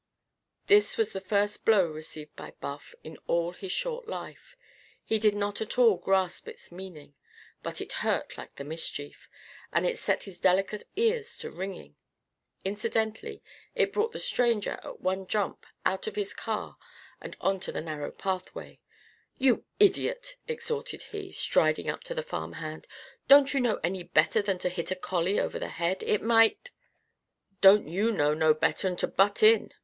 This was the first blow received by Buff in all his short life. He did not at all grasp its meaning. But it hurt like the mischief, and it set his delicate ears to ringing. Incidentally, it brought the stranger, at one jump, out of his car and on to the narrow pathway. "You idiot!" exhorted he, striding up to the farm hand. "Don't you know any better than to hit a collie over the head? It might " "Don't you know no better'n to butt in?"